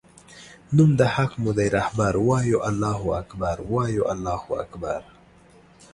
نوم د حق مودی رهبر وایو الله اکبر وایو الله اکبر